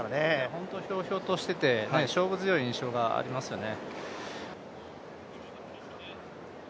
本当にひょうひょうとしていて、勝負強い印象がありますよね。